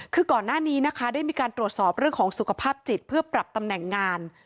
คือก่อนหน้านี้นะคะได้มีการตรวจสอบเรื่องของสุขภาพจิตเพื่อปรับตำแหน่งงาน